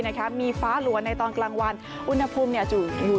นะคะมีฟ้าหลัวในตอนกลางวันอุณหภูมิเนี่ยจะอยู่